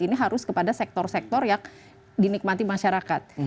ini harus kepada sektor sektor yang dinikmati masyarakat